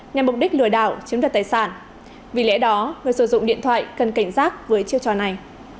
nhằm mục đích lừa đảo chiếm đoạt tài sản vì lẽ đó người sử dụng điện thoại cần cảnh giác với chiêu trò này